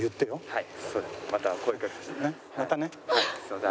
はい。